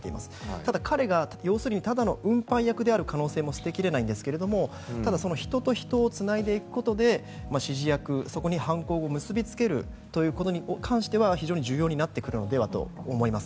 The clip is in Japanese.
ただ、彼がただの運搬役である可能性も捨て切れないんですがただ人と人をつないでいくことで指示役、そこに犯行を結びつけるということに関しては非常に重要になってくるのではと思います。